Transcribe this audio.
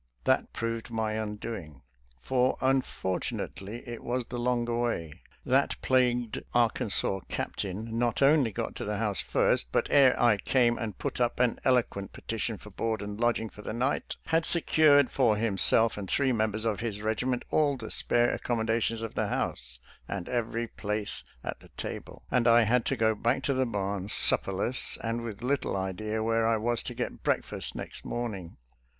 That proved my undoing, for unfortunately it was the longer way. That plagued Arkansas captain not only got to the house first, but ere I came and put up an eloquent petition for board and lodg ing for the night, had secured for himself and three members of his regiment all the spare ac commodations of the house and every place at the table ; and I had to go back to the barn sup perless and with little idea where I was to get breakfast next morning.